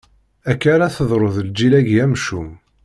Akka ara teḍru d lǧil-agi amcum.